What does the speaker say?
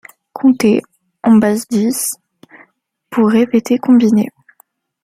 Compter, en base dix, pour répéter, combiner.